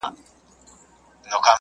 هغه د دروازې تړل نه خوښول.